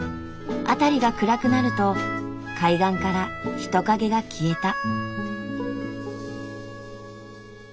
辺りが暗くなると海岸から人影が消えた。